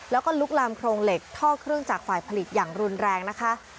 แล้วก็ลุกลามโครงเหล็กท่อเครื่องจากฝ่ายผลิตอย่างรุนแรงนะคะ